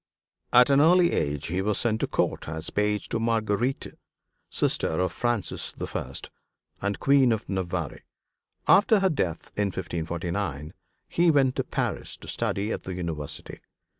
At an early age he was sent to court as page to Marguerite, sister of Francis I. and Queen of Navarre; after her death in 1549, he went to Paris to study at the University.